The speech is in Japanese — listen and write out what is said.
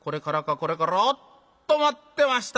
これおっと待ってました